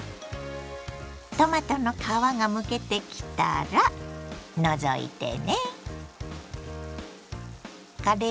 トマトの皮がむけてきたら除いてね。